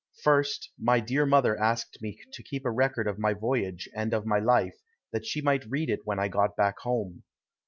First, my dear mother asked me to keep a record of my voyage and of my life, that she might read it when I got back home.